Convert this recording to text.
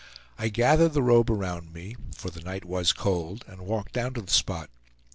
I gathered the robe around me, for the night was cold, and walked down to the spot.